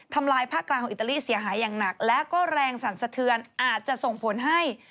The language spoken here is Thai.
ลายภาคกลางของอิตาลีเสียหายอย่างหนักและก็แรงสั่นสะเทือนอาจจะส่งผลให้